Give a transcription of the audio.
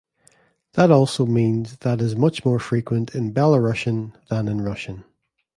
That also means that is much more frequent in Belarusian than in Russian.